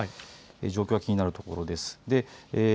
状況が気になるところです。